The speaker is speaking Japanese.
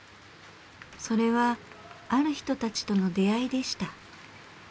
それはある人たちとの出会いでした。